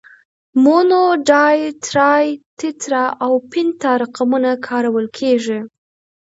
مونو، ډای، ترای، تترا او پنتا رقمونه کارول کیږي.